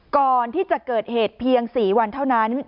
ก่อนที่จะเกิดเหตุเพียง๔วันเท่านั้น